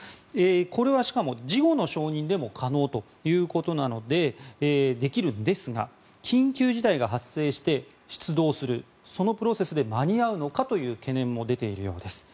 これはしかも、事後の承認でも可能ということなのでできるんですが緊急事態が発生して出動する、そのプロセスで間に合うのかという懸念も出ているわけです。